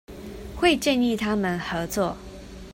會建議他們合作